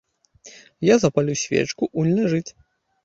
Я запалю свечку, унь ляжыць.